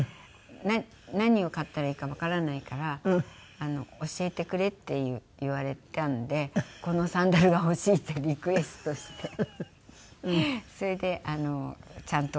「何を買ったらいいかわからないから教えてくれ」って言われたんで「このサンダルが欲しい」ってリクエストしてそれでちゃんと買ってきてくれました。